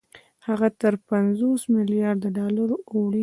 هغه تر پنځوس مليارده ډالرو اوړي